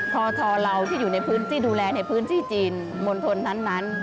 พอทเราที่อยู่ในพื้นที่ดูแลในพื้นที่จีนมณฑลนั้น